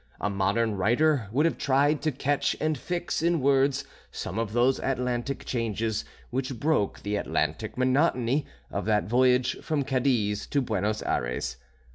A modern writer would have tried to catch and fix in words some of those Atlantic changes which broke the Atlantic monotony of that voyage from Cadiz to Buenos Ayres.